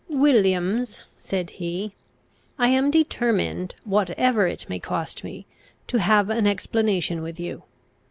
"Williams," said he, "I am determined, whatever it may cost me, to have an explanation with you.